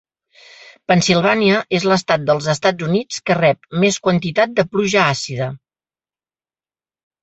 Pennsylvania és l'estat dels Estats Units que rep més quantitat de pluja àcida.